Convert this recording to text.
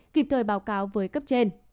kịp thời báo cáo với cấp trên